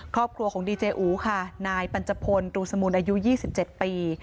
ครอบครัวของดีเจอูค่ะนายปัญจพลตรูสมุนอายุ๒๗ปี